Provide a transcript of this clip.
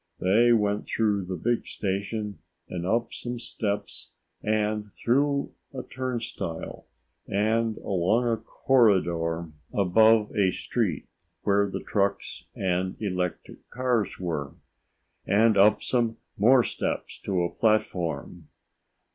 They went through the big station and up some steps and through a turnstile and along a corridor above a street where the trucks and electric cars were, and up some more steps to a platform.